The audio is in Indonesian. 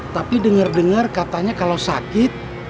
tapi dengar dengar katanya kalau sakit